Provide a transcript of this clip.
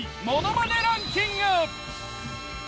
ものまねランキング」。